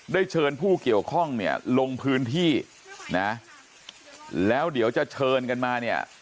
เชิญผู้เกี่ยวข้องเนี่ยลงพื้นที่นะแล้วเดี๋ยวจะเชิญกันมาเนี่ย